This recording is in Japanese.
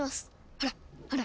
ほらほら。